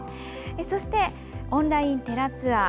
そして、オンライン寺ツアー。